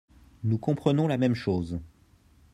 Nous comprenons la même chose